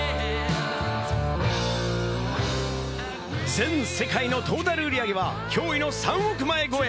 全世界のトータル売り上げは驚異の３億枚超え。